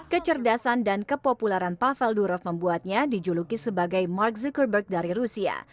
kecerdasan dan kepopularan pavel durov membuatnya dijuluki sebagai mark zuckerberg dari rusia